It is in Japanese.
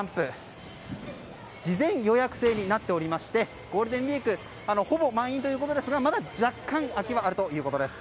事前予約制になっておりましてゴールデンウィークほぼ満員ということですがまだ若干空きはあるということです。